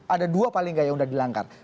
ada dua paling nggak yang udah dilanggar